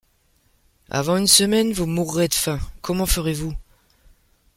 Avant une semaine, vous mourrez de faim : comment ferez-vous ?...